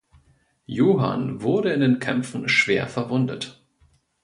Johann wurde in den Kämpfen schwer verwundet.